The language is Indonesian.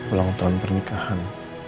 ulang tahun pernikahan